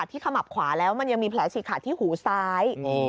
ขมับขวาแล้วมันยังมีแผลฉีกขาดที่หูซ้าย